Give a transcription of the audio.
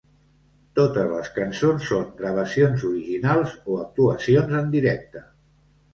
Totes les cançons són gravacions originals o actuacions en directe.